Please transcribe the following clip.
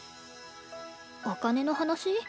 お金の話？